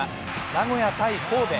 名古屋×神戸。